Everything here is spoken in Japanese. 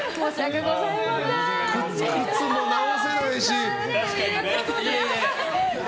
靴も直せないし。